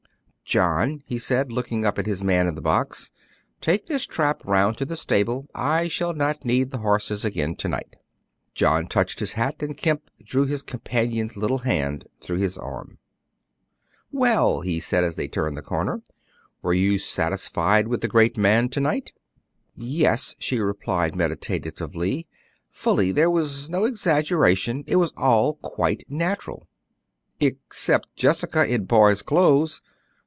"John," he said, looking up at his man in the box, "take this trap round to the stable; I shall not need the horses again to night." John touched his hat, and Kemp drew his companion's little hand through his arm. "Well," he said, as they turned the corner, "Were you satisfied with the great man to night?" "Yes," she replied meditatively, "fully; there was no exaggeration, it was all quite natural." "Except Jessica in boy's clothes."